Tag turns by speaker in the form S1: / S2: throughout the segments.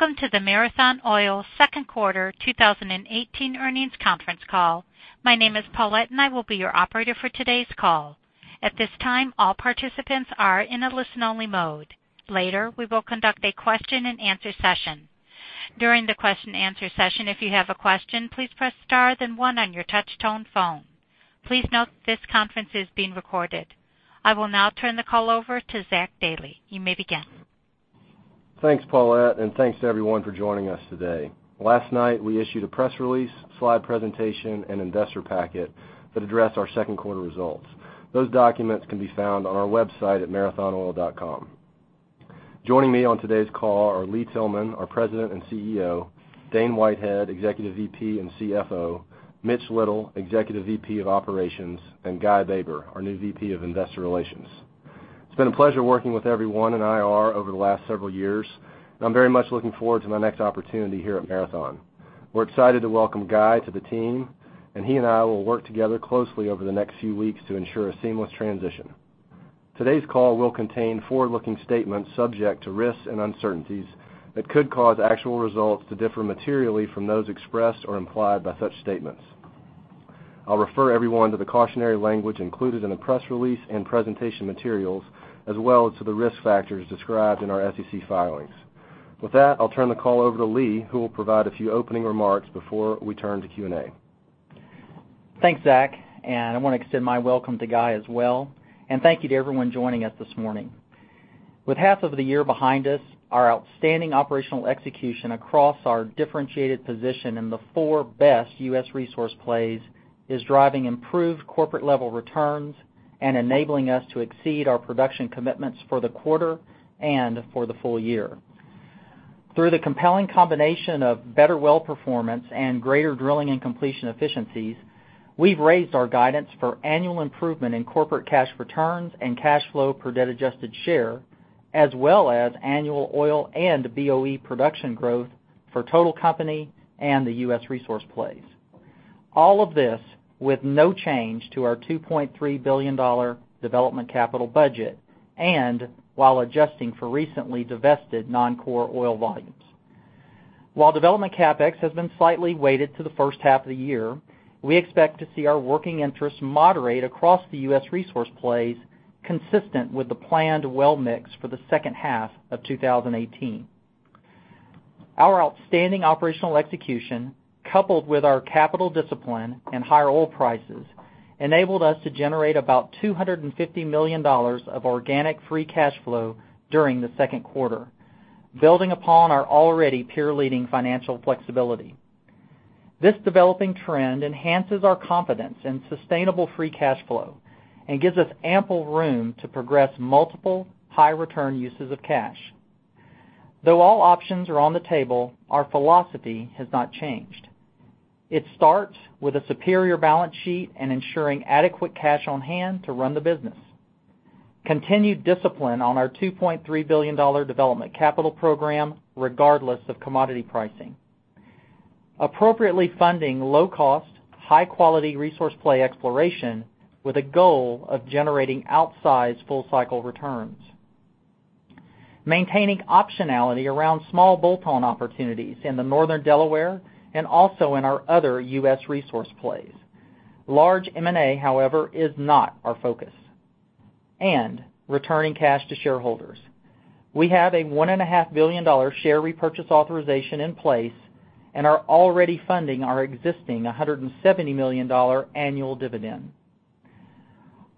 S1: Welcome to the Marathon Oil second quarter 2018 earnings conference call. My name is Paulette and I will be your operator for today's call. At this time, all participants are in a listen-only mode. Later, we will conduct a question and answer session. During the question answer session, if you have a question, please press star then one on your touch tone phone. Please note this conference is being recorded. I will now turn the call over to Zach Dailey. You may begin.
S2: Thanks, Paulette, and thanks to everyone for joining us today. Last night, we issued a press release, slide presentation, and investor packet that addressed our second quarter results. Those documents can be found on our website at marathonoil.com. Joining me on today's call are Lee Tillman, our President and CEO, Dane Whitehead, Executive VP and CFO, Mitch Little, Executive VP of Operations, and Guy Baber, our new VP of Investor Relations. It's been a pleasure working with everyone in IR over the last several years, and I'm very much looking forward to my next opportunity here at Marathon. We're excited to welcome Guy to the team, and he and I will work together closely over the next few weeks to ensure a seamless transition. Today's call will contain forward-looking statements subject to risks and uncertainties that could cause actual results to differ materially from those expressed or implied by such statements. I'll refer everyone to the cautionary language included in the press release and presentation materials, as well as to the risk factors described in our SEC filings. With that, I'll turn the call over to Lee, who will provide a few opening remarks before we turn to Q&A.
S3: Thanks, Zach, and I want to extend my welcome to Guy as well. Thank you to everyone joining us this morning. With half of the year behind us, our outstanding operational execution across our differentiated position in the four best U.S. resource plays is driving improved corporate level returns and enabling us to exceed our production commitments for the quarter and for the full year. Through the compelling combination of better well performance and greater drilling and completion efficiencies, we've raised our guidance for annual improvement in corporate cash returns and cash flow per debt adjusted share, as well as annual oil and BOE production growth for total company and the U.S. resource plays. All of this with no change to our $2.3 billion development capital budget, while adjusting for recently divested non-core oil volumes. While development CapEx has been slightly weighted to the first half of the year, we expect to see our working interest moderate across the U.S. resource plays consistent with the planned well mix for the second half of 2018. Our outstanding operational execution, coupled with our capital discipline and higher oil prices, enabled us to generate about $250 million of organic free cash flow during the second quarter, building upon our already peer leading financial flexibility. This developing trend enhances our confidence in sustainable free cash flow and gives us ample room to progress multiple high return uses of cash. Though all options are on the table, our philosophy has not changed. It starts with a superior balance sheet and ensuring adequate cash on hand to run the business. Continued discipline on our $2.3 billion development capital program, regardless of commodity pricing. Appropriately funding low cost, high quality resource play exploration with a goal of generating outsized full cycle returns. Maintaining optionality around small bolt-on opportunities in the Northern Delaware and also in our other U.S. resource plays. Large M&A, however, is not our focus. Returning cash to shareholders. We have a $1.5 billion share repurchase authorization in place and are already funding our existing $170 million annual dividend.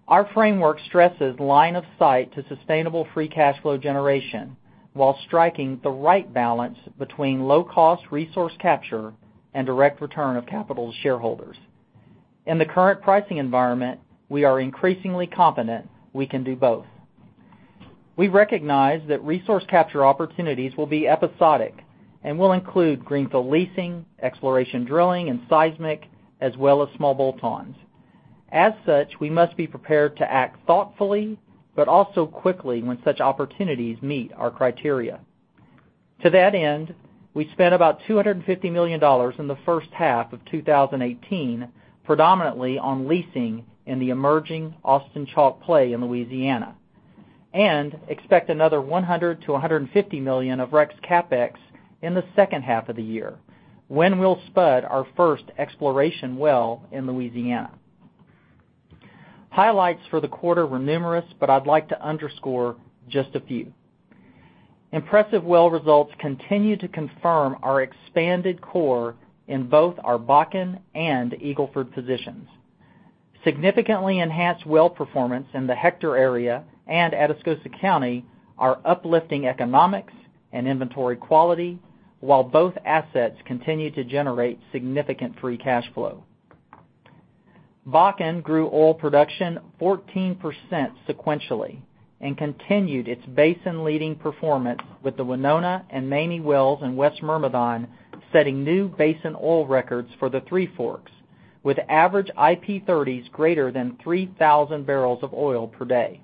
S3: Our framework stresses line of sight to sustainable free cash flow generation while striking the right balance between low cost resource capture and direct return of capital to shareholders. In the current pricing environment, we are increasingly confident we can do both. We recognize that resource capture opportunities will be episodic and will include greenfield leasing, exploration drilling, and seismic, as well as small bolt-ons. As such, we must be prepared to act thoughtfully, but also quickly when such opportunities meet our criteria. To that end, we spent about $250 million in the first half of 2018, predominantly on leasing in the emerging Austin Chalk play in Louisiana, and expect another $100 to $150 million of REx CapEx in the second half of the year, when we'll spud our first exploration well in Louisiana. Highlights for the quarter were numerous, but I'd like to underscore just a few. Impressive well results continue to confirm our expanded core in both our Bakken and Eagle Ford positions. Significantly enhanced well performance in the Hector area and Atascosa County are uplifting economics and inventory quality, while both assets continue to generate significant free cash flow. Bakken grew oil production 14% sequentially and continued its basin leading performance with the Winona and Mamie wells in West Myrmidon setting new basin oil records for the Three Forks, with average IP30s greater than 3,000 barrels of oil per day.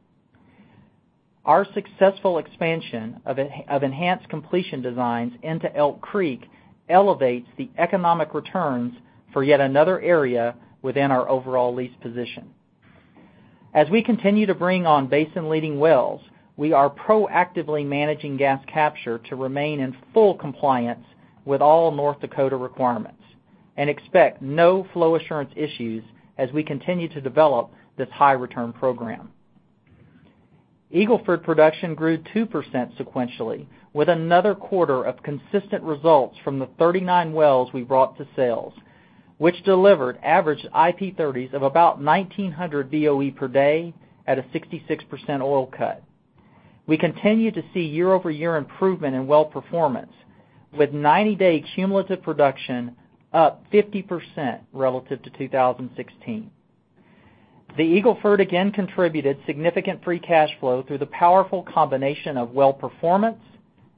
S3: Our successful expansion of enhanced completion designs into Elk Creek elevates the economic returns for yet another area within our overall lease position. As we continue to bring on basin leading wells, we are proactively managing gas capture to remain in full compliance with all North Dakota requirements and expect no flow assurance issues as we continue to develop this high return program. Eagle Ford production grew 2% sequentially, with another quarter of consistent results from the 39 wells we brought to sales, which delivered average IP30s of about 1,900 BOE per day at a 66% oil cut. We continue to see year-over-year improvement in well performance, with 90-day cumulative production up 50% relative to 2016. The Eagle Ford again contributed significant free cash flow through the powerful combination of well performance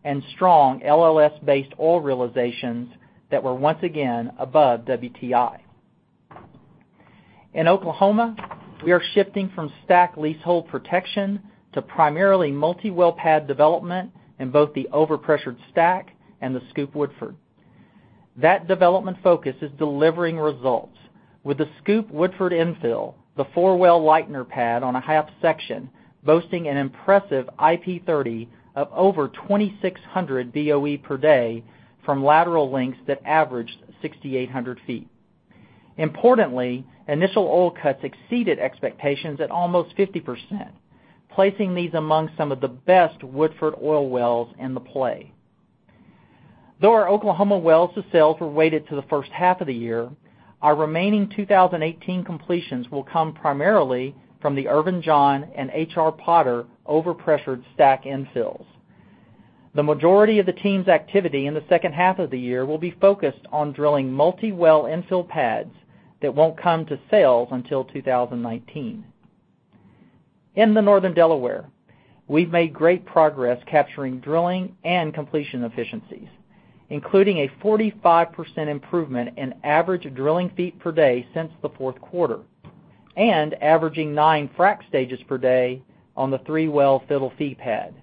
S3: and strong LLS-based oil realizations that were once again above WTI. In Oklahoma, we are shifting from STACK leasehold protection to primarily multi-well pad development in both the overpressured STACK and the SCOOP Woodford. That development focus is delivering results with the SCOOP Woodford infill, the four-well Lightner pad on a half section boasting an impressive IP30 of over 2,600 BOE per day from lateral lengths that averaged 6,800 feet. Importantly, initial oil cuts exceeded expectations at almost 50%, placing these among some of the best Woodford oil wells in the play. Though our Oklahoma wells to sales were weighted to the first half of the year, our remaining 2018 completions will come primarily from the Irven John and H.R. Potter overpressured STACK infills. The majority of the team's activity in the second half of the year will be focused on drilling multi-well infill pads that won't come to sales until 2019. In the Northern Delaware, we've made great progress capturing drilling and completion efficiencies, including a 45% improvement in average drilling feet per day since the fourth quarter, and averaging nine frac stages per day on the three-well Fiddle Fee pad.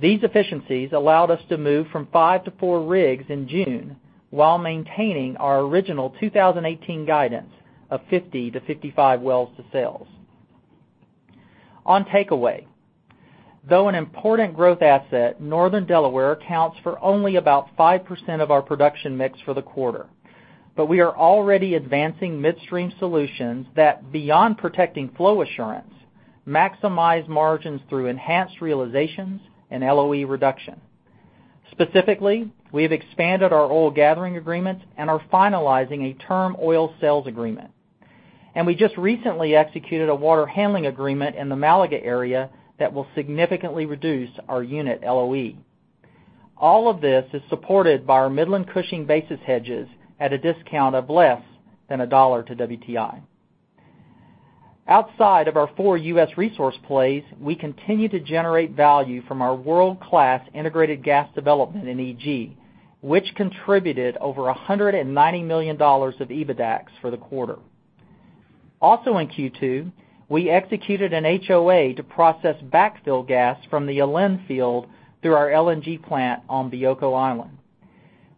S3: These efficiencies allowed us to move from five to four rigs in June while maintaining our original 2018 guidance of 50 to 55 wells to sales. On takeaway, though an important growth asset, Northern Delaware accounts for only about 5% of our production mix for the quarter, but we are already advancing midstream solutions that, beyond protecting flow assurance, maximize margins through enhanced realizations and LOE reduction. Specifically, we have expanded our oil gathering agreements and are finalizing a term oil sales agreement. We just recently executed a water handling agreement in the Malaga area that will significantly reduce our unit LOE. All of this is supported by our Midland-Cushing basis hedges at a discount of less than $1 to WTI. Outside of our four U.S. resource plays, we continue to generate value from our world-class integrated gas development in EG, which contributed over $190 million of EBITDAX for the quarter. Also in Q2, we executed an HOA to process backfill gas from the Alen field through our LNG plant on Bioko Island.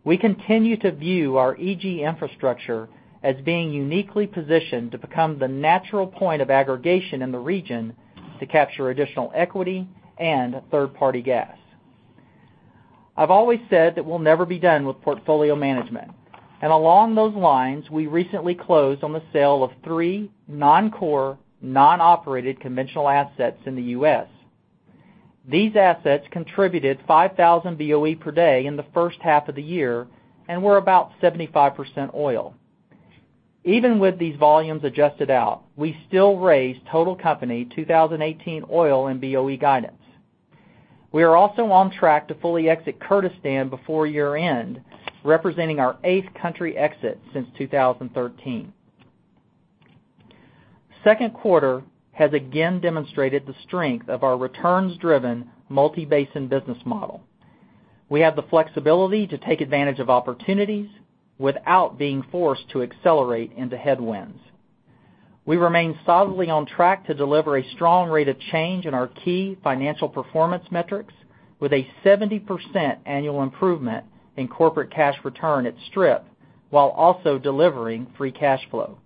S3: We continue to view our EG infrastructure as being uniquely positioned to become the natural point of aggregation in the region to capture additional equity and third-party gas. I've always said that we'll never be done with portfolio management. Along those lines, we recently closed on the sale of three non-core, non-operated conventional assets in the U.S. These assets contributed 5,000 BOE per day in the first half of the year and were about 75% oil. Even with these volumes adjusted out, we still raised total company 2018 oil and BOE guidance. We are also on track to fully exit Kurdistan before year-end, representing our eighth country exit since 2013. Second quarter has again demonstrated the strength of our returns-driven multi-basin business model. We have the flexibility to take advantage of opportunities without being forced to accelerate into headwinds. We remain solidly on track to deliver a strong rate of change in our key financial performance metrics with a 70% annual improvement in corporate cash return at strip while also delivering free cash flow.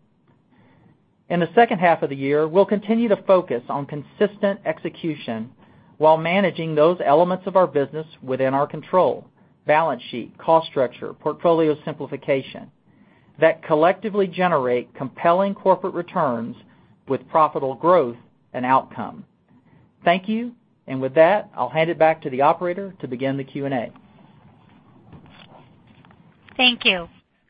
S3: In the second half of the year, we'll continue to focus on consistent execution while managing those elements of our business within our control, balance sheet, cost structure, portfolio simplification, that collectively generate compelling corporate returns with profitable growth and outcome. Thank you. With that, I'll hand it back to the operator to begin the Q&A.
S1: Thank you.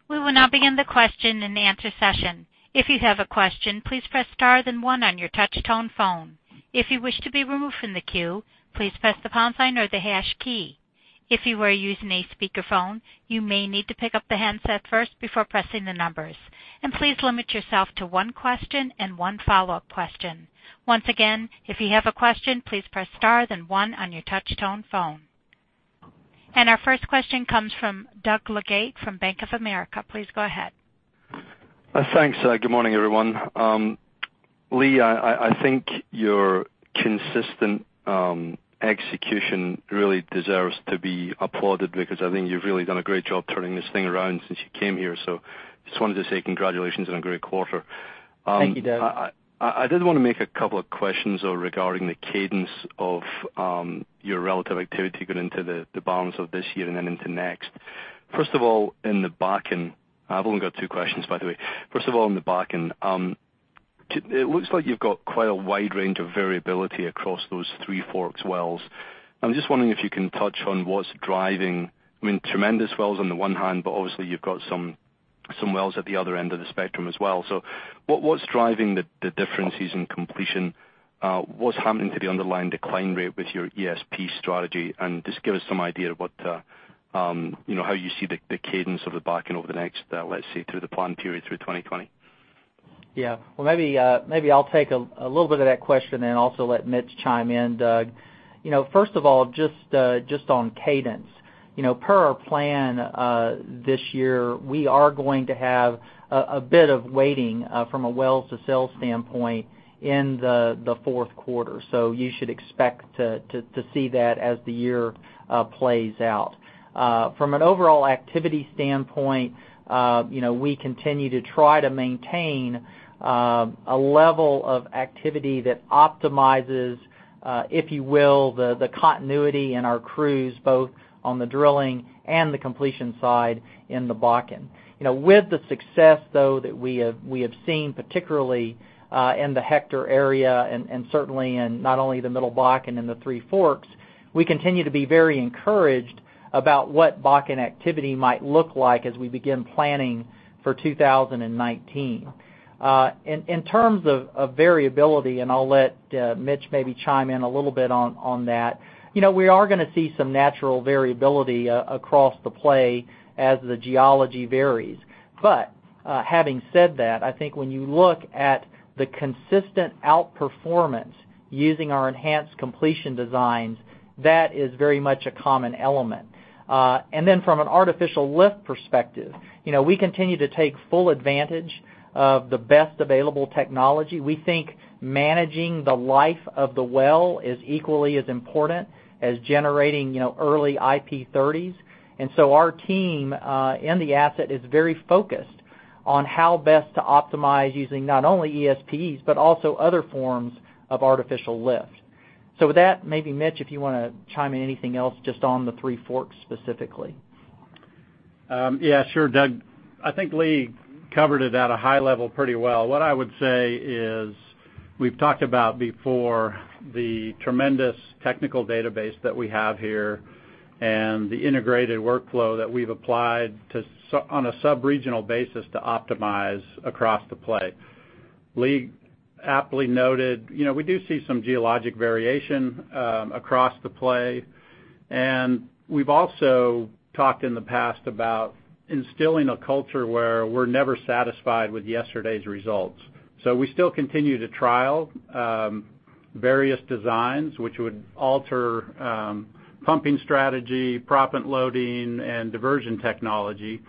S1: We will now begin the question and answer session. If you have a question, please press star then one on your touch tone phone. If you wish to be removed from the queue, please press the pound sign or the hash key. If you are using a speakerphone, you may need to pick up the handset first before pressing the numbers. Please limit yourself to one question and one follow-up question. Once again, if you have a question, please press star then one on your touch tone phone. Our first question comes from Doug Leggate from Bank of America. Please go ahead.
S4: Thanks. Good morning, everyone. Lee, I think your consistent execution really deserves to be applauded because I think you've really done a great job turning this thing around since you came here. Just wanted to say congratulations on a great quarter.
S3: Thank you, Doug.
S4: I did want to make a couple of questions though, regarding the cadence of your relative activity going into the balance of this year and then into next. First of all, in the Bakken. I've only got two questions, by the way. First of all, in the Bakken, it looks like you've got quite a wide range of variability across those Three Forks wells. I'm just wondering if you can touch on what's driving tremendous wells on the one hand, but obviously you've got some wells at the other end of the spectrum as well. What's driving the differences in completion? What's happening to the underlying decline rate with your ESP strategy? And just give us some idea of how you see the cadence of the Bakken over the next, let's say through the plan period through 2020.
S3: Yeah. Well, maybe I'll take a little bit of that question and also let Mitch chime in, Doug. First of all, just on cadence. Per our plan this year, we are going to have a bit of waiting from a well-to-sale standpoint in the fourth quarter. You should expect to see that as the year plays out. From an overall activity standpoint, we continue to try to maintain a level of activity that optimizes, if you will, the continuity in our crews, both on the drilling and the completion side in the Bakken. With the success, though, that we have seen, particularly in the Hector area and certainly in not only the Middle Bakken and the Three Forks, we continue to be very encouraged about what Bakken activity might look like as we begin planning for 2019. In terms of variability, and I'll let Mitch maybe chime in a little bit on that. We are going to see some natural variability across the play as the geology varies. Having said that, I think when you look at the consistent outperformance using our enhanced completion designs, that is very much a common element. From an artificial lift perspective, we continue to take full advantage of the best available technology. We think managing the life of the well is equally as important as generating early IP30s. Our team in the asset is very focused on how best to optimize using not only ESPs, but also other forms of artificial lift. With that, maybe Mitch, if you want to chime in anything else just on the Three Forks specifically.
S5: Sure, Doug. I think Lee covered it at a high level pretty well. What I would say is we've talked about before the tremendous technical database that we have here and the integrated workflow that we've applied on a subregional basis to optimize across the play. Lee aptly noted, we do see some geologic variation across the play. We've also talked in the past about instilling a culture where we're never satisfied with yesterday's results. We still continue to trial various designs which would alter pumping strategy, proppant loading, and diversion technology.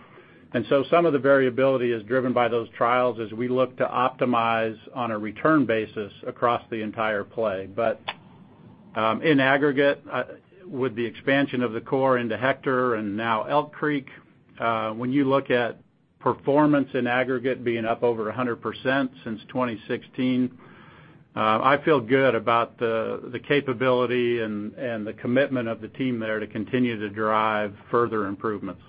S5: Some of the variability is driven by those trials as we look to optimize on a return basis across the entire play. In aggregate, with the expansion of the core into Hector and now Elk Creek, when you look at performance in aggregate being up over 100% since 2016, I feel good about the capability and the commitment of the team there to continue to drive further improvements.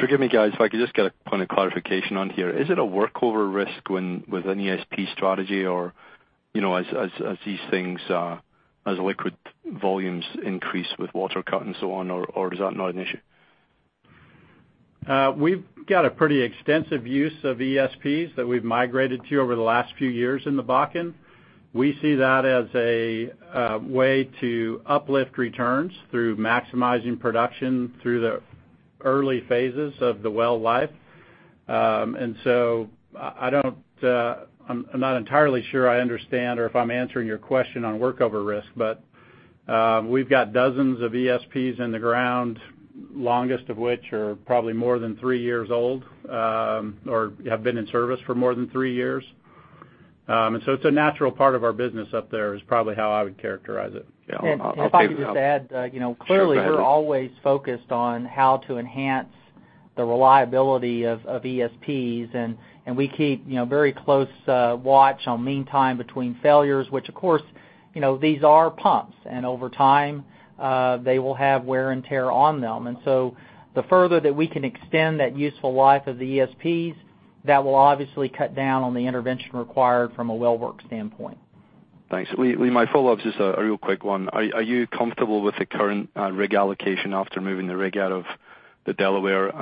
S4: Forgive me, guys, if I could just get a point of clarification on here. Is it a workover risk with an ESP strategy, or as liquid volumes increase with water cut and so on, or is that not an issue?
S5: We've got a pretty extensive use of ESPs that we've migrated to over the last few years in the Bakken. We see that as a way to uplift returns through maximizing production through the early phases of the well life. I'm not entirely sure I understand or if I'm answering your question on workover risk. We've got dozens of ESPs in the ground, longest of which are probably more than three years old, or have been in service for more than three years. It's a natural part of our business up there, is probably how I would characterize it.
S3: If I could just add, Doug.
S5: Sure. Go ahead.
S3: Clearly, we're always focused on how to enhance the reliability of ESPs, and we keep very close watch on mean time between failures, which, of course, these are pumps, and over time, they will have wear and tear on them. So the further that we can extend that useful life of the ESPs, that will obviously cut down on the intervention required from a well work standpoint.
S4: Thanks. Lee, my follow-up's just a real quick one. Are you comfortable with the current rig allocation after moving the rig out of the Delaware? Is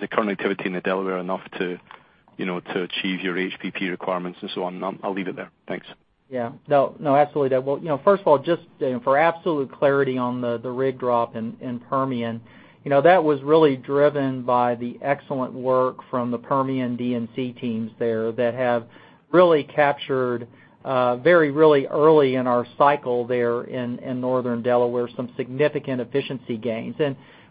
S4: the current activity in the Delaware enough to To achieve your HBP requirements and so on. I'll leave it there. Thanks.
S3: Yeah. No, absolutely. Well, first of all, just for absolute clarity on the rig drop in Permian, that was really driven by the excellent work from the Permian D&C teams there that have really captured, very really early in our cycle there in Northern Delaware, some significant efficiency gains.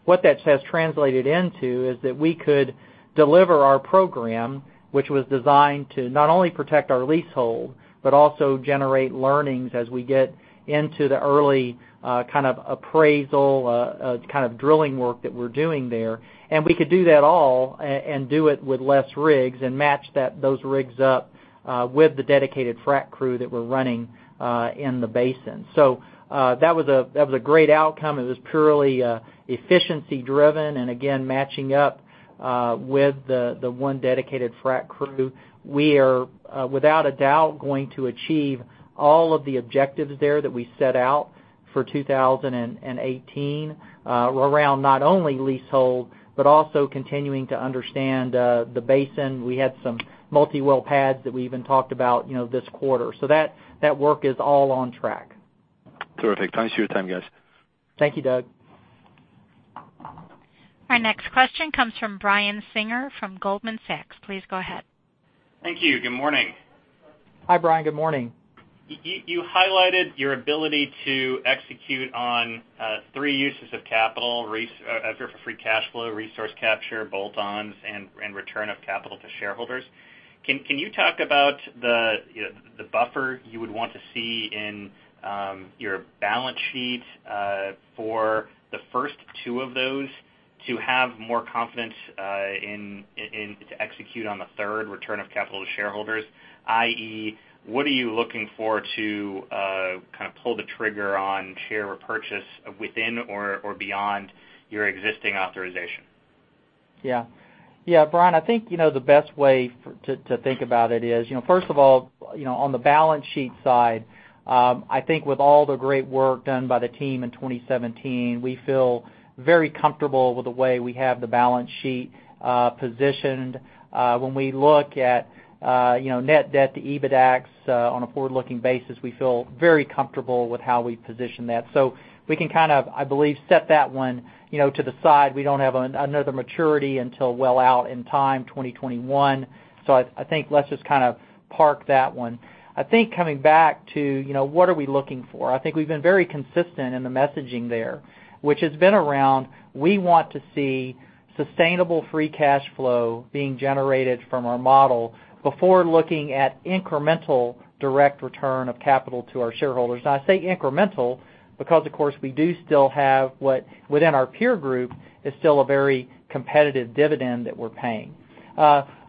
S3: What that has translated into is that we could deliver our program, which was designed to not only protect our leasehold, but also generate learnings as we get into the early kind of appraisal, kind of drilling work that we're doing there. We could do that all, and do it with less rigs, and match those rigs up with the dedicated frac crew that we're running in the basin. That was a great outcome. It was purely efficiency driven, and again, matching up with the one dedicated frac crew. We are, without a doubt, going to achieve all of the objectives there that we set out for 2018, around not only leasehold, but also continuing to understand the basin. We had some multi-well pads that we even talked about this quarter. That work is all on track.
S4: Terrific. Thanks for your time, guys.
S3: Thank you, Doug.
S1: Our next question comes from Brian Singer from Goldman Sachs. Please go ahead.
S6: Thank you. Good morning.
S3: Hi, Brian. Good morning.
S6: You highlighted your ability to execute on three uses of capital, free cash flow, resource capture, bolt-ons, and return of capital to shareholders. Can you talk about the buffer you would want to see in your balance sheet for the first two of those to have more confidence to execute on the third return of capital to shareholders, i.e., what are you looking for to kind of pull the trigger on share repurchase within or beyond your existing authorization?
S3: Yeah. Brian, I think the best way to think about it is, first of all, on the balance sheet side, I think with all the great work done by the team in 2017, we feel very comfortable with the way we have the balance sheet positioned. When we look at net debt to EBITDA on a forward-looking basis, we feel very comfortable with how we position that. We can kind of, I believe, set that one to the side. We don't have another maturity until well out in time, 2021. I think let's just kind of park that one. I think coming back to what are we looking for? I think we've been very consistent in the messaging there, which has been around, we want to see sustainable free cash flow being generated from our model before looking at incremental direct return of capital to our shareholders. I say incremental because, of course, we do still have what, within our peer group, is still a very competitive dividend that we're paying.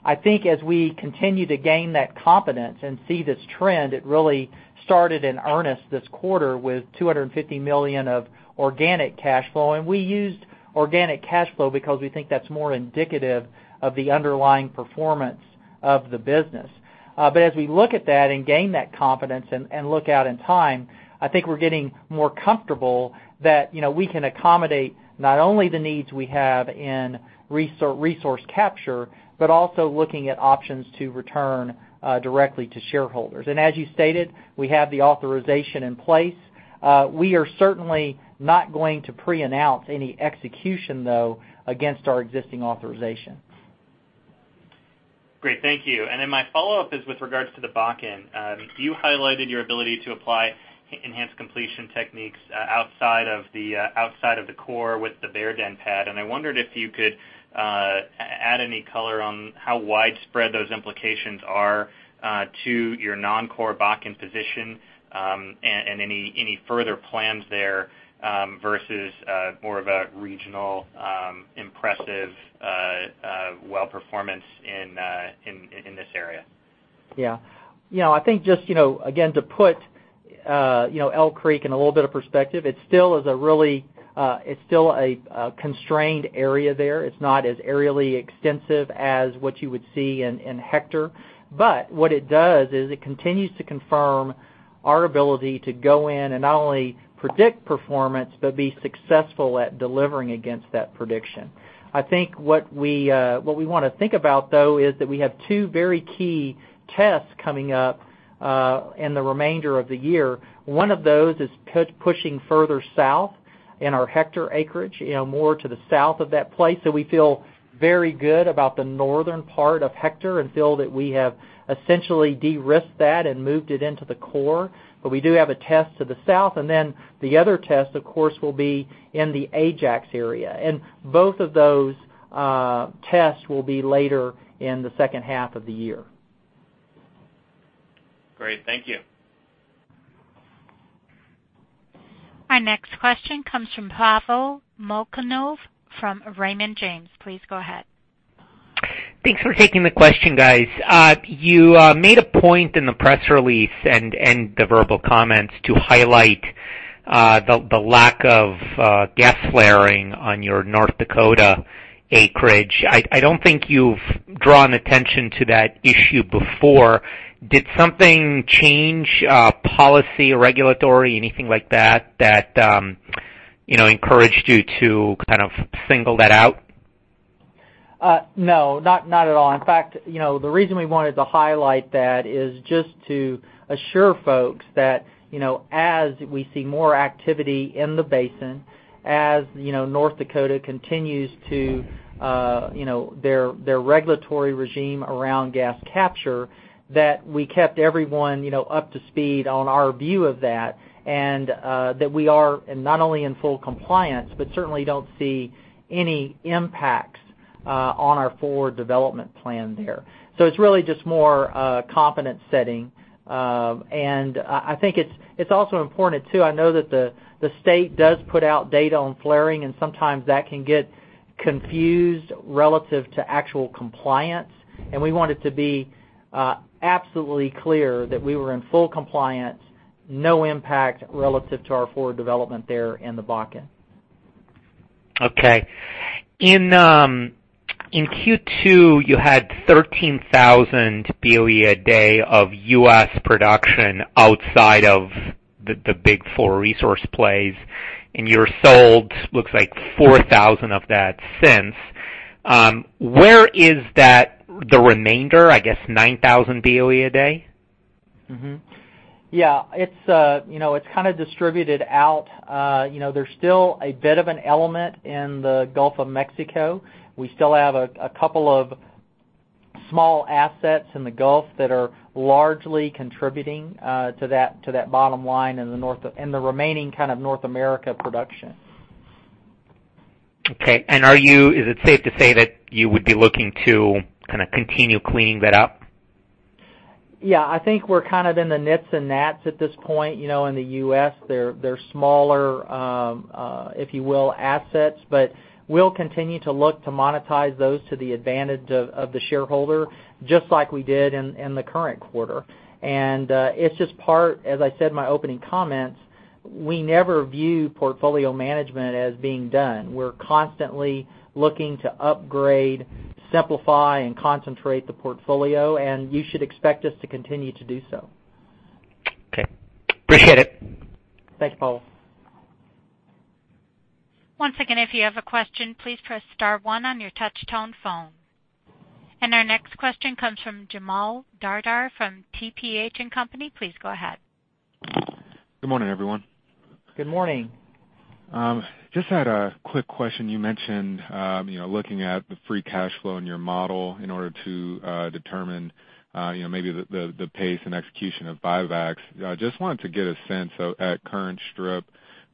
S3: I think as we continue to gain that confidence and see this trend, it really started in earnest this quarter with $250 million of organic cash flow. We used organic cash flow because we think that's more indicative of the underlying performance of the business. As we look at that and gain that confidence and look out in time, I think we're getting more comfortable that we can accommodate not only the needs we have in resource capture, but also looking at options to return directly to shareholders. As you stated, we have the authorization in place. We are certainly not going to pre-announce any execution, though, against our existing authorization.
S6: Great. Thank you. Then my follow-up is with regards to the Bakken. You highlighted your ability to apply enhanced completion techniques outside of the core with the Bear Den pad, and I wondered if you could add any color on how widespread those implications are to your non-core Bakken position, and any further plans there versus more of a regional impressive well performance in this area.
S3: Yeah. I think just, again, to put Elk Creek in a little bit of perspective, it still is a constrained area there. It's not as aerially extensive as what you would see in Hector. What it does is it continues to confirm our ability to go in and not only predict performance, but be successful at delivering against that prediction. I think what we want to think about, though, is that we have two very key tests coming up in the remainder of the year. One of those is pushing further south in our Hector acreage, more to the south of that place. We feel very good about the northern part of Hector and feel that we have essentially de-risked that and moved it into the core. We do have a test to the south, and then the other test, of course, will be in the Ajax area. Both of those tests will be later in the second half of the year.
S6: Great. Thank you.
S1: Our next question comes from Pavel Molchanov from Raymond James. Please go ahead.
S7: Thanks for taking the question, guys. You made a point in the press release and the verbal comments to highlight the lack of gas flaring on your North Dakota acreage. I don't think you've drawn attention to that issue before. Did something change policy or regulatory, anything like that encouraged you to kind of single that out?
S3: No, not at all. The reason we wanted to highlight that is just to assure folks that as we see more activity in the basin, as North Dakota continues their regulatory regime around gas capture, that we kept everyone up to speed on our view of that, and that we are not only in full compliance, but certainly don't see any impacts on our forward development plan there. It's really just more confidence setting. I think it's also important, too, I know that the state does put out data on flaring, and sometimes that can get confused relative to actual compliance. We wanted to be absolutely clear that we were in full compliance, no impact relative to our forward development there in the Bakken.
S7: Okay. In Q2, you had 13,000 BOE a day of U.S. production outside of the big four resource plays, and you sold looks like 4,000 of that since. Where is the remainder, I guess 9,000 BOE a day?
S3: Yeah. It's kind of distributed out. There's still a bit of an element in the Gulf of Mexico. We still have a couple of small assets in the Gulf that are largely contributing to that bottom line in the remaining North America production.
S7: Okay. Is it safe to say that you would be looking to continue cleaning that up?
S3: Yeah. I think we're in the nits and nats at this point, in the U.S. They're smaller, if you will, assets. We'll continue to look to monetize those to the advantage of the shareholder, just like we did in the current quarter. It's just part, as I said in my opening comments, we never view portfolio management as being done. We're constantly looking to upgrade, simplify, and concentrate the portfolio, and you should expect us to continue to do so.
S7: Okay. Appreciate it.
S3: Thank you, Pavel.
S1: Once again, if you have a question, please press *1 on your touch tone phone. Our next question comes from Jamaal Dardar from TPH & Co.. Please go ahead.
S8: Good morning, everyone.
S3: Good morning.
S8: Just had a quick question. You mentioned looking at the free cash flow in your model in order to determine maybe the pace and execution of buybacks. I just wanted to get a sense at current strip,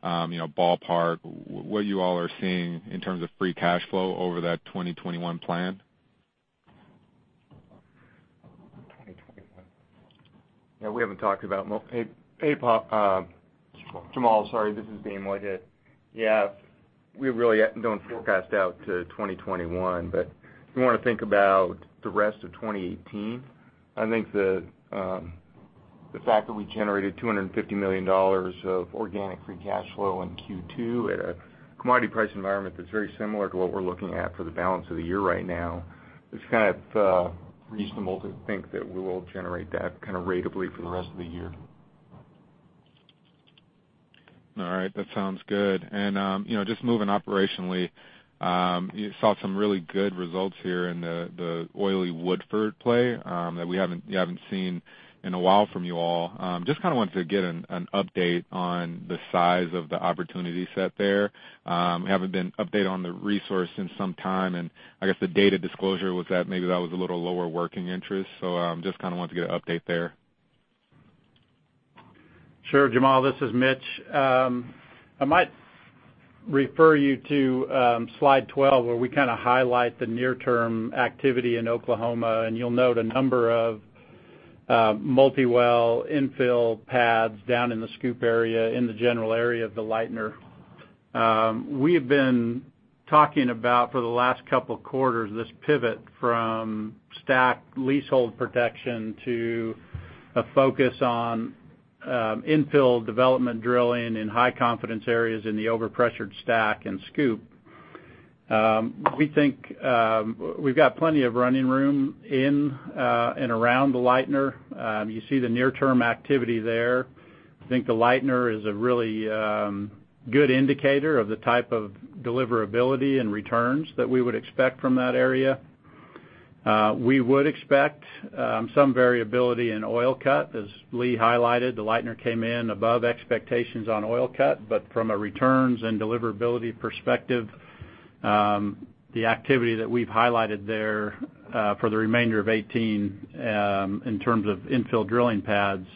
S8: ballpark, what you all are seeing in terms of free cash flow over that 2021 plan.
S9: Hey, Jamaal, sorry. This is Dane Whitehead. We really don't forecast out to 2021. If you want to think about the rest of 2018, I think the fact that we generated $250 million of organic free cash flow in Q2 at a commodity price environment that's very similar to what we're looking at for the balance of the year right now, it's reasonable to think that we will generate that ratably for the rest of the year.
S8: All right. That sounds good. Just moving operationally, you saw some really good results here in the Woodford Shale play that we haven't seen in a while from you all. Just wanted to get an update on the size of the opportunity set there. We haven't been updated on the resource in some time, and I guess the data disclosure was that maybe that was a little lower working interest. Just wanted to get an update there.
S5: Sure, Jamaal. This is Mitch Little. I might refer you to slide 12, where we highlight the near-term activity in Oklahoma, and you'll note a number of multi-well infill pads down in the SCOOP area, in the general area of the Lightner. We have been talking about, for the last couple of quarters, this pivot from STACK leasehold protection to a focus on infill development drilling in high confidence areas in the overpressured STACK and SCOOP. We think we've got plenty of running room in and around the Lightner. You see the near-term activity there. I think the Lightner is a really good indicator of the type of deliverability and returns that we would expect from that area. We would expect some variability in oil cut. As Lee Tillman highlighted, the Lightner came in above expectations on oil cut. From a returns and deliverability perspective, the activity that we've highlighted there for the remainder of 2018, in terms of infill drilling pads,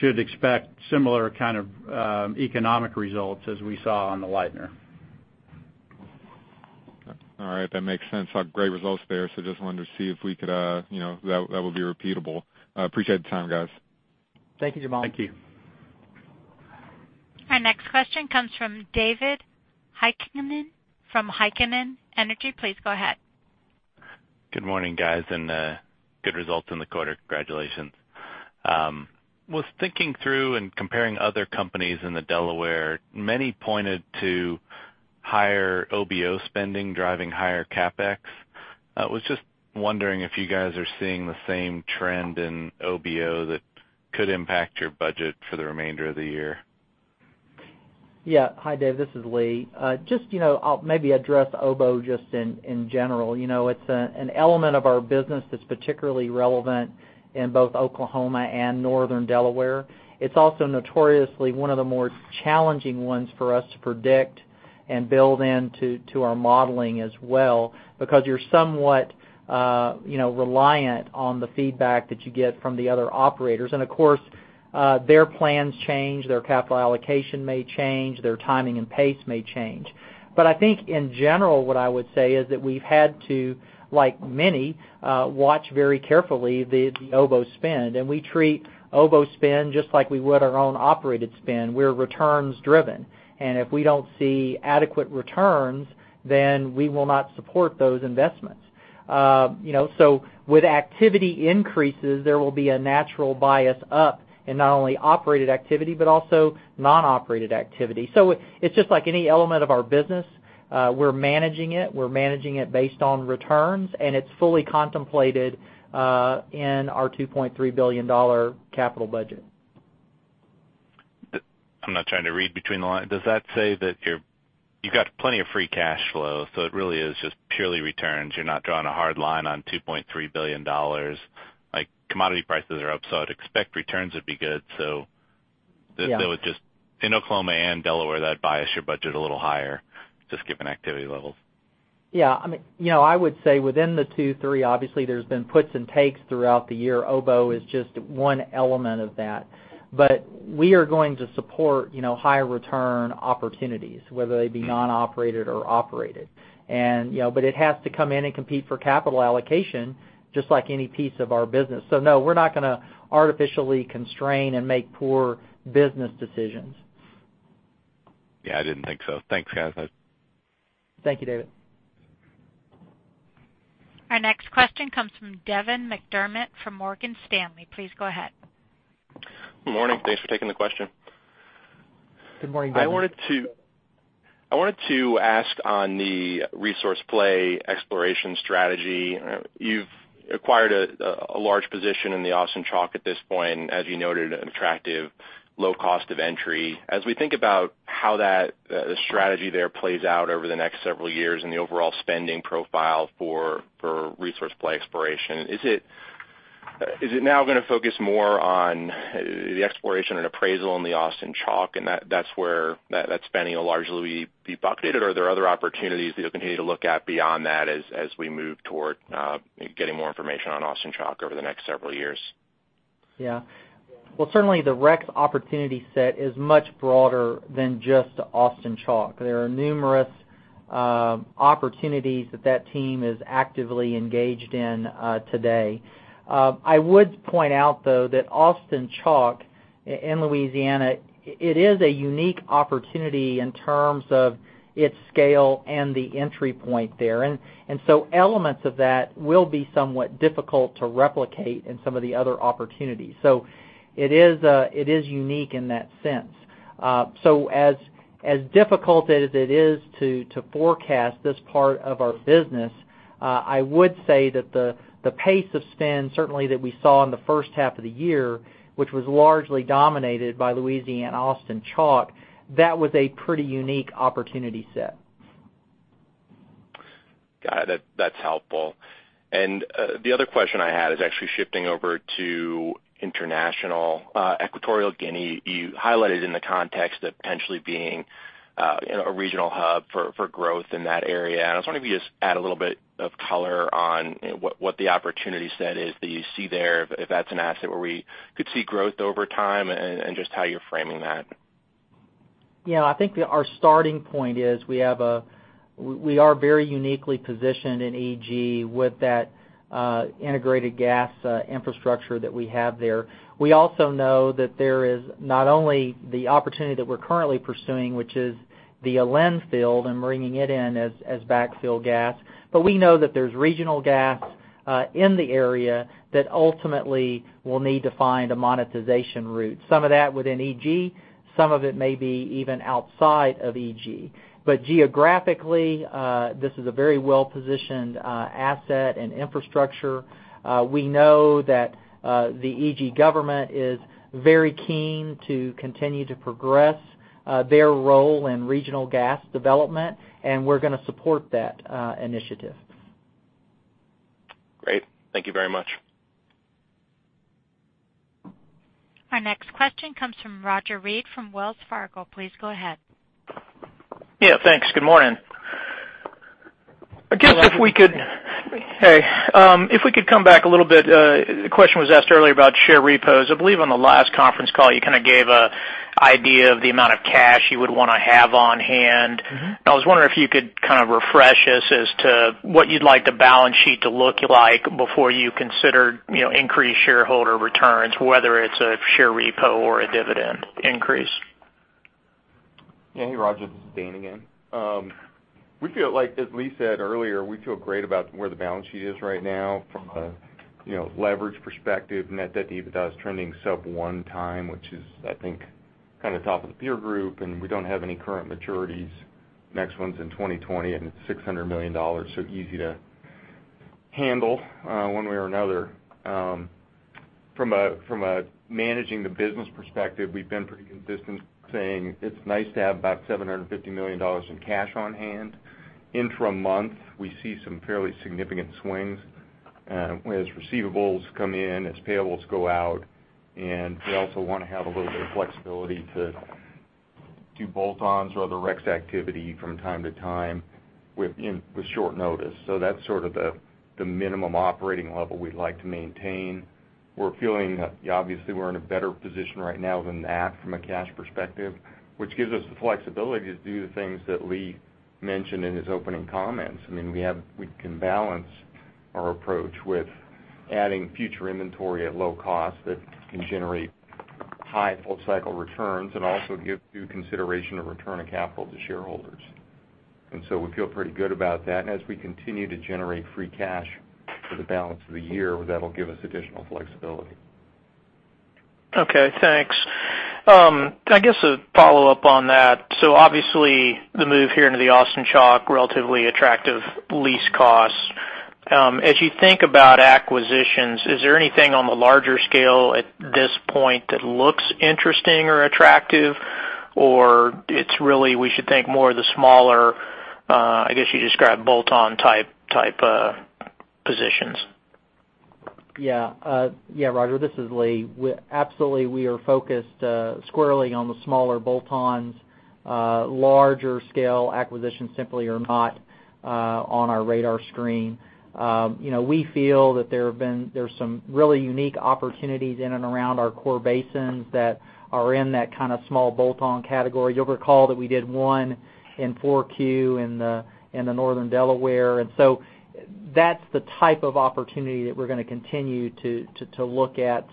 S5: should expect similar kind of economic results as we saw on the Lightner.
S8: Okay. All right. That makes sense. Great results there. Just wanted to see if that would be repeatable. I appreciate the time, guys.
S3: Thank you, Jamaal.
S5: Thank you.
S1: Our next question comes from David Heikkinen from Heikkinen Energy Advisors. Please go ahead.
S10: Good morning, guys, good results in the quarter. Congratulations. I was thinking through and comparing other companies in the Delaware. Many pointed to Higher OBO spending driving higher CapEx. I was just wondering if you guys are seeing the same trend in OBO that could impact your budget for the remainder of the year.
S3: Hi, David, this is Lee. I'll maybe address OBO just in general. It's an element of our business that's particularly relevant in both Oklahoma and Northern Delaware. It's also notoriously one of the more challenging ones for us to predict and build into our modeling as well, because you're somewhat reliant on the feedback that you get from the other operators. Of course, their plans change, their capital allocation may change, their timing and pace may change. I think in general, what I would say is that we've had to, like many, watch very carefully the OBO spend, and we treat OBO spend just like we would our own operated spend. We're returns driven, and if we don't see adequate returns, then we will not support those investments. With activity increases, there will be a natural bias up in not only operated activity, but also non-operated activity. It's just like any element of our business. We're managing it, we're managing it based on returns, and it's fully contemplated in our $2.3 billion capital budget.
S10: I'm not trying to read between the lines. Does that say that you've got plenty of free cash flow, so it really is just purely returns? You're not drawing a hard line on $2.3 billion. Like commodity prices are up, I'd expect returns would be good. Yeah If it was just in Oklahoma and Delaware, that'd bias your budget a little higher, just given activity levels.
S3: Yeah. I would say within the $2.3 billion, obviously there's been puts and takes throughout the year. OBO is just one element of that. We are going to support higher return opportunities, whether they be non-operated or operated. It has to come in and compete for capital allocation, just like any piece of our business. No, we're not going to artificially constrain and make poor business decisions.
S10: Yeah, I didn't think so. Thanks, guys.
S3: Thank you, David.
S1: Our next question comes from Devin McDermott from Morgan Stanley. Please go ahead.
S11: Good morning. Thanks for taking the question.
S3: Good morning, Devin.
S11: I wanted to ask on the resource play exploration strategy. You've acquired a large position in the Austin Chalk at this point, and as you noted, an attractive low cost of entry. As we think about how that strategy there plays out over the next several years and the overall spending profile for resource play exploration, is it now going to focus more on the exploration and appraisal in the Austin Chalk and that spending will largely be bucketed? Or are there other opportunities that you'll continue to look at beyond that as we move toward getting more information on Austin Chalk over the next several years?
S3: Well, certainly the REx opportunity set is much broader than just Austin Chalk. There are numerous opportunities that that team is actively engaged in today. I would point out, though, that Austin Chalk in Louisiana, it is a unique opportunity in terms of its scale and the entry point there. Elements of that will be somewhat difficult to replicate in some of the other opportunities. It is unique in that sense. As difficult as it is to forecast this part of our business, I would say that the pace of spend certainly that we saw in the first half of the year, which was largely dominated by Louisiana Austin Chalk, that was a pretty unique opportunity set.
S11: Got it. That's helpful. The other question I had is actually shifting over to international. Equatorial Guinea, you highlighted in the context of potentially being a regional hub for growth in that area. I was wondering if you could just add a little bit of color on what the opportunity set is that you see there, if that's an asset where we could see growth over time, and just how you're framing that.
S3: Yeah, I think our starting point is we are very uniquely positioned in EG with that integrated gas infrastructure that we have there. We also know that there is not only the opportunity that we're currently pursuing, which is the Alen field and bringing it in as backfill gas, but we know that there is regional gas in the area that ultimately will need to find a monetization route. Some of that within EG, some of it may be even outside of EG. Geographically, this is a very well-positioned asset and infrastructure. We know that the EG government is very keen to continue to progress their role in regional gas development, and we're going to support that initiative.
S11: Great. Thank you very much.
S1: Our next question comes from Roger Read from Wells Fargo. Please go ahead.
S12: Yeah, thanks. Good morning.
S3: Hello.
S12: Hey. If we could come back a little bit, the question was asked earlier about share repos. I believe on the last conference call, you kind of gave an idea of the amount of cash you would want to have on hand. I was wondering if you could kind of refresh us as to what you'd like the balance sheet to look like before you considered increased shareholder returns, whether it's a share repo or a dividend increase.
S9: Yeah. Hey, Roger, this is Dane again. We feel like, as Lee said earlier, we feel great about where the balance sheet is right now from a leverage perspective. Net debt to EBITDA is trending sub one time, which is, I think, top of the peer group, and we don't have any current maturities. Next one's in 2020, and it's $600 million, so easy to handle one way or another. From a managing the business perspective, we've been pretty consistent saying it's nice to have about $750 million in cash on hand. Intramonth, we see some fairly significant swings as receivables come in, as payables go out, and we also want to have a little bit of flexibility to do bolt-ons or other REx activity from time to time with short notice. That's sort of the minimum operating level we'd like to maintain. We're feeling, obviously, we're in a better position right now than that from a cash perspective, which gives us the flexibility to do the things that Lee mentioned in his opening comments. We can balance our approach with adding future inventory at low cost that can generate high full-cycle returns and also give due consideration of return of capital to shareholders. We feel pretty good about that, and as we continue to generate free cash for the balance of the year, that'll give us additional flexibility.
S12: Okay, thanks. I guess a follow-up on that. Obviously, the move here into the Austin Chalk, relatively attractive lease costs. As you think about acquisitions, is there anything on the larger scale at this point that looks interesting or attractive? Or it's really, we should think more of the smaller, I guess you described bolt-on type positions?
S3: Yeah. Roger, this is Lee. Absolutely, we are focused squarely on the smaller bolt-ons. Larger scale acquisitions simply are not on our radar screen. We feel that there's some really unique opportunities in and around our core basins that are in that kind of small bolt-on category. You'll recall that we did one in 4Q in the Northern Delaware. That's the type of opportunity that we're going to continue to look at.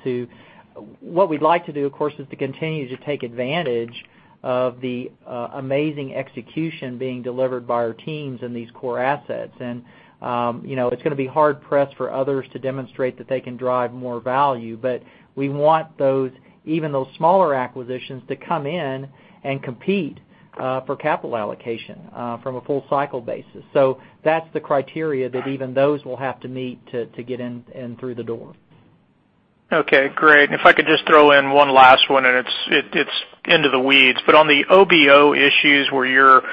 S3: What we'd like to do, of course, is to continue to take advantage of the amazing execution being delivered by our teams in these core assets. It's going to be hard-pressed for others to demonstrate that they can drive more value. We want even those smaller acquisitions to come in and compete for capital allocation from a full-cycle basis. That's the criteria that even those will have to meet to get in through the door.
S12: Okay, great. If I could just throw in one last one, and it's into the weeds. On the OBO issues where you're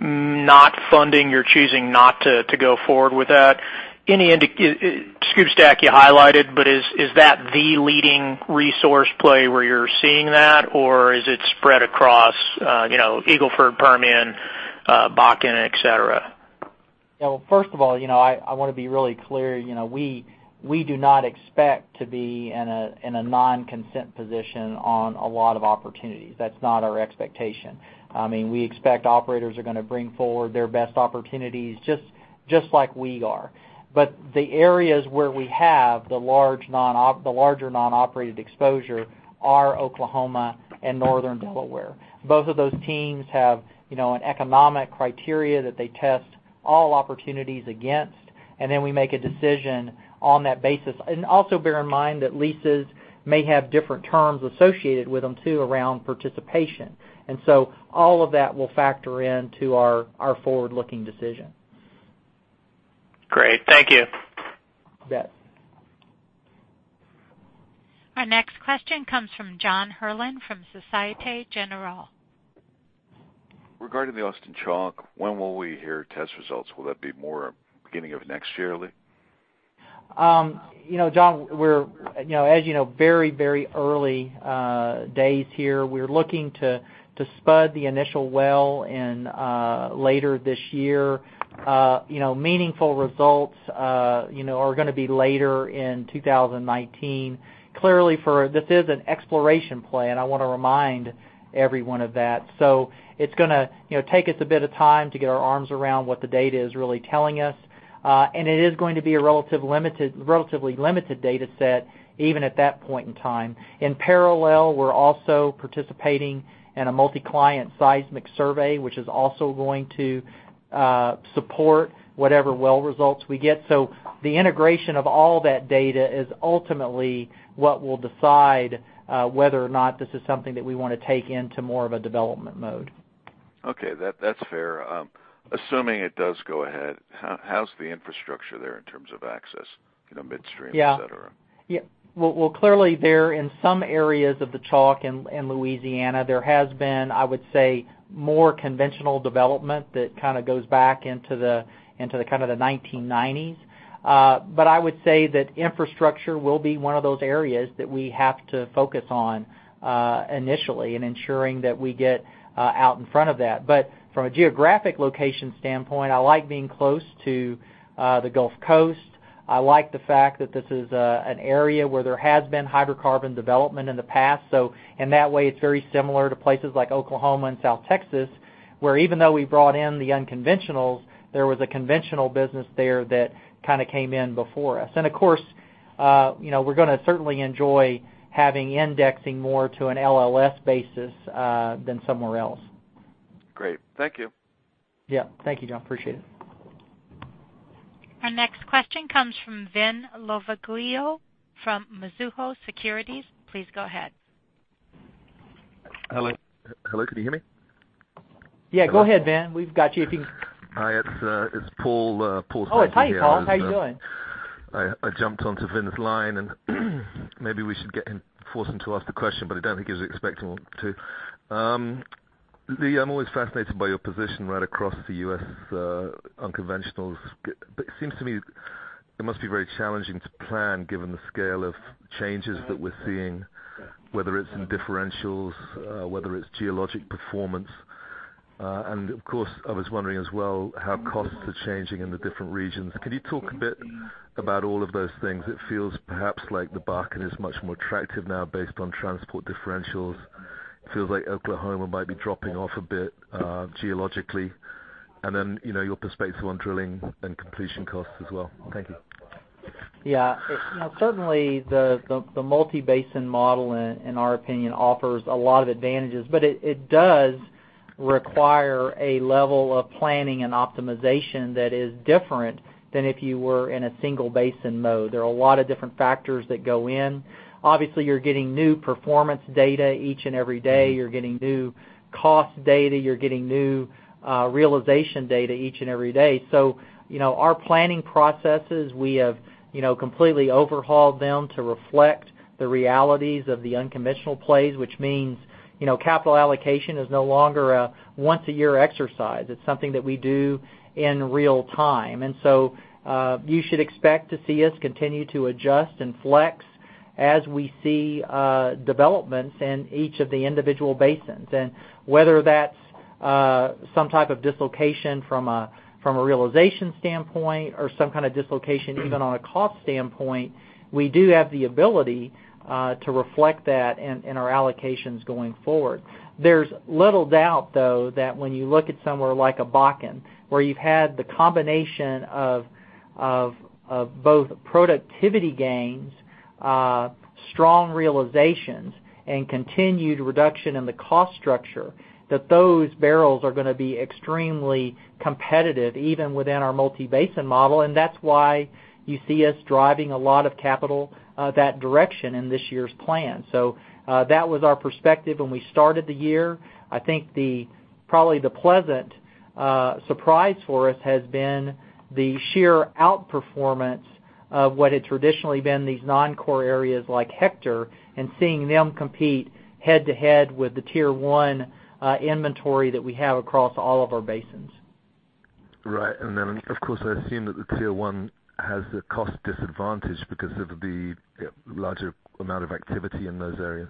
S12: not funding, you're choosing not to go forward with that. SCOOP STACK you highlighted, but is that the leading resource play where you're seeing that, or is it spread across Eagle Ford, Permian, Bakken, et cetera?
S3: Well, first of all, I want to be really clear. We do not expect to be in a non-consent position on a lot of opportunities. That's not our expectation. We expect operators are going to bring forward their best opportunities just like we are. The areas where we have the larger non-operated exposure are Oklahoma and Northern Delaware. Both of those teams have an economic criteria that they test all opportunities against, and then we make a decision on that basis. Also bear in mind that leases may have different terms associated with them too, around participation. So all of that will factor into our forward-looking decision.
S12: Great. Thank you.
S3: You bet.
S1: Our next question comes from John Herrlin from Société Générale.
S13: Regarding the Austin Chalk, when will we hear test results? Will that be more beginning of next year, Lee?
S3: John, as you know, very early days here. We're looking to spud the initial well later this year. Meaningful results are going to be later in 2019. This is an exploration play, and I want to remind everyone of that. It's going to take us a bit of time to get our arms around what the data is really telling us. It is going to be a relatively limited data set, even at that point in time. In parallel, we're also participating in a multi-client seismic survey, which is also going to support whatever well results we get. The integration of all that data is ultimately what will decide whether or not this is something that we want to take into more of a development mode.
S13: Okay. That's fair. Assuming it does go ahead, how's the infrastructure there in terms of access, midstream, et cetera?
S3: Well, clearly there in some areas of the Chalk in Louisiana, there has been, I would say, more conventional development that kind of goes back into the 1990s. I would say that infrastructure will be one of those areas that we have to focus on initially in ensuring that we get out in front of that. From a geographic location standpoint, I like being close to the Gulf Coast. I like the fact that this is an area where there has been hydrocarbon development in the past. In that way, it's very similar to places like Oklahoma and South Texas, where even though we brought in the unconventionals, there was a conventional business there that kind of came in before us. Of course, we're going to certainly enjoy having indexing more to an LLS basis than somewhere else.
S13: Great. Thank you.
S3: Yeah. Thank you, John. Appreciate it.
S1: Our next question comes from Vin Lovaglio from Mizuho Securities. Please go ahead.
S14: Hello? Can you hear me?
S3: Yeah, go ahead, Vin. We've got you if you-
S14: Hi, it's Paul. Paul Sankey here.
S3: Oh, hi, Paul. How are you doing?
S14: I jumped onto Vin's line, Maybe we should force him to ask the question, but I don't think he was expecting to. Lee, I'm always fascinated by your position right across the U.S. unconventionals. It seems to me it must be very challenging to plan given the scale of changes that we're seeing, whether it's in differentials, whether it's geologic performance. Of course, I was wondering as well how costs are changing in the different regions. Can you talk a bit about all of those things? It feels perhaps like the Bakken is much more attractive now based on transport differentials. It feels like Oklahoma might be dropping off a bit geologically. Then, your perspective on drilling and completion costs as well. Thank you.
S3: Yeah. Certainly, the multi-basin model, in our opinion, offers a lot of advantages, but it does require a level of planning and optimization that is different than if you were in a single basin mode. There are a lot of different factors that go in. Obviously, you're getting new performance data each and every day. You're getting new cost data. You're getting new realization data each and every day. Our planning processes, we have completely overhauled them to reflect the realities of the unconventional plays, which means capital allocation is no longer a once-a-year exercise. It's something that we do in real time. You should expect to see us continue to adjust and flex as we see developments in each of the individual basins. Whether that's some type of dislocation from a realization standpoint or some kind of dislocation even on a cost standpoint, we do have the ability to reflect that in our allocations going forward. There's little doubt, though, that when you look at somewhere like a Bakken, where you've had the combination of both productivity gains, strong realizations, and continued reduction in the cost structure, that those barrels are going to be extremely competitive, even within our multi-basin model, and that's why you see us driving a lot of capital that direction in this year's plan. That was our perspective when we started the year. I think probably the pleasant surprise for us has been the sheer outperformance of what had traditionally been these non-core areas like H.R. Potter and seeing them compete head-to-head with the Tier 1 inventory that we have across all of our basins.
S14: Right. Of course, I assume that the Tier 1 has a cost disadvantage because of the larger amount of activity in those areas.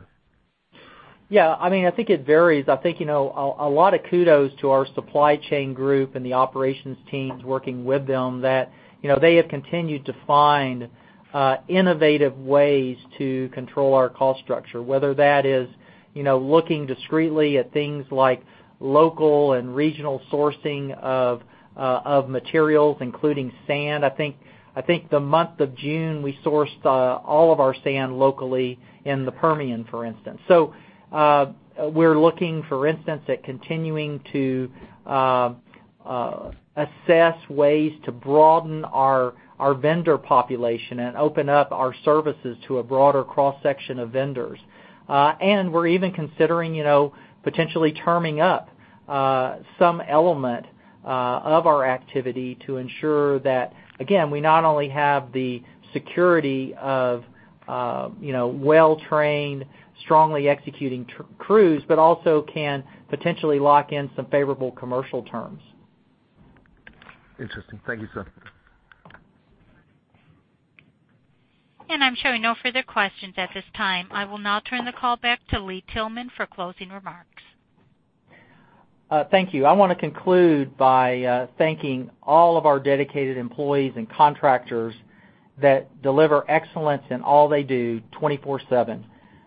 S3: Yeah. I think it varies. I think a lot of kudos to our supply chain group and the operations teams working with them that they have continued to find innovative ways to control our cost structure, whether that is looking discreetly at things like local and regional sourcing of materials, including sand. I think the month of June, we sourced all of our sand locally in the Permian, for instance. We're looking, for instance, at continuing to assess ways to broaden our vendor population and open up our services to a broader cross-section of vendors. We're even considering potentially terming up some element of our activity to ensure that, again, we not only have the security of well-trained, strongly executing crews, but also can potentially lock in some favorable commercial terms.
S14: Interesting. Thank you, sir.
S1: I'm showing no further questions at this time. I will now turn the call back to Lee Tillman for closing remarks.
S3: Thank you. I want to conclude by thanking all of our dedicated employees and contractors that deliver excellence in all they do 24/7.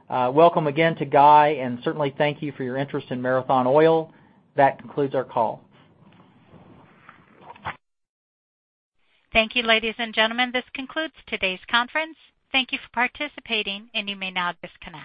S3: Welcome again to Guy, certainly thank you for your interest in Marathon Oil. That concludes our call.
S1: Thank you, ladies and gentlemen. This concludes today's conference. Thank you for participating, you may now disconnect.